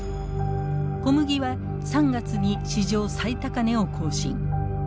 小麦は３月に史上最高値を更新。